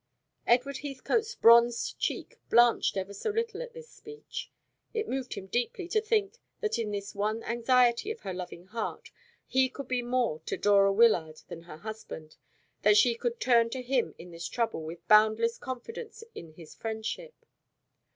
Edward Heathcote's bronzed cheek blanched ever so little at this speech. It moved him deeply to think that in this one anxiety of her loving heart he could be more to Dora Wyllard than her husband, that she could turn to him in this trouble, with boundless confidence in his friendship.